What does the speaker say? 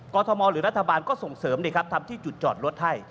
ทมหรือรัฐบาลก็ส่งเสริมทำที่จุดจอดรถให้